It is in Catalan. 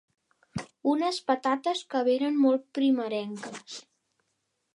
Unes patates que venen molt primerenques.